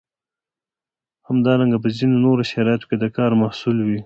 همدارنګه په ځینو نورو شرایطو کې د کار محصول وي.